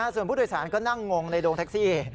ส่วนผู้โดยสารก็นั่งงงในโดงแท็กซี่